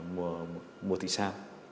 mùa thị sa